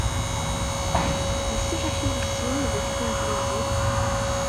Iserreḥ yiles-nnem deg tanglizit.